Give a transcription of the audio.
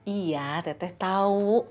iya tete tahu